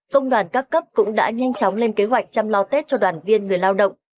công đoàn các cấp cũng đã nhanh chóng lên kế hoạch chăm lo tết cho đoàn viên người lao động